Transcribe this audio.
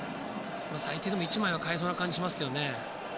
最低でも１枚は代えそうな感じがしますけどね。